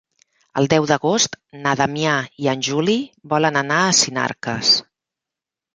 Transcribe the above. El deu d'agost na Damià i en Juli volen anar a Sinarques.